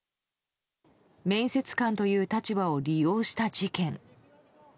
面接官という立場を利用した事件。